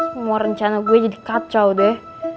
semua rencana gue jadi kacau deh